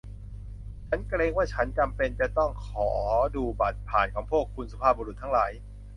ฉันเกรงว่าฉันจำเป็นจะต้องขอดูบัตรผ่านของพวกคุณ สุภาพบุรุษทั้งหลาย